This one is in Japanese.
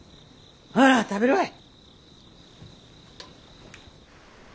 ほら食べるわい。